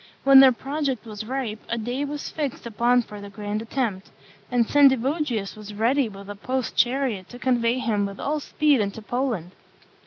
When their project was ripe, a day was fixed upon for the grand attempt; and Sendivogius was ready with a post chariot to convey him with all speed into Poland.